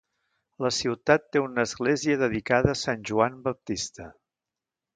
La ciutat té una església dedicada a Sant Joan Baptista.